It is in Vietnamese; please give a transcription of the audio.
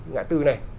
ngã tư này